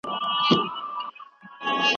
دا موضوع زما لپاره ډېره ارزښتمنه ده.